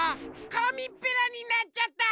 かみっぺらになっちゃった！